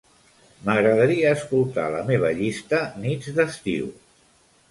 M'agradaria escoltar la meva llista "nits d'estiu".